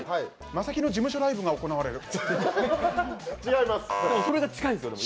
マセキの事務所ライブが行われる。